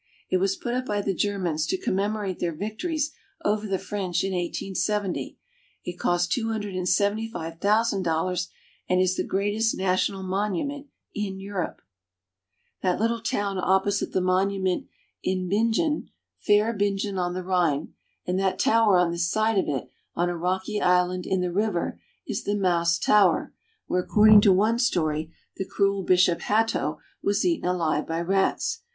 It was put up by the Germans to com memorate their victories over the French in 1870. It cost two hundred and seventy five thousand dollars, and is the greatest national monument in Europe. Maus Tower. That little town opposite the monument is Bingen, "Fair Bingen on the Rhine !" and that tower on this side of it on a rocky island in the river is the Maus Tower, where, according to one story, the cruel Bishop Hatto was eaten alive by rats.